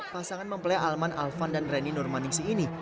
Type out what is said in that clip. pasangan mempelai alman alvan dan reni nurmaningsi ini